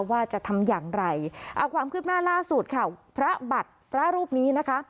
ว่าจะทำอย่างไรเอาความคืบหน้าล่าสุดค่ะพระบัตรพระรูปนี้นะคะ